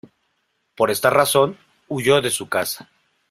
Por esta razón, huyó de su casa.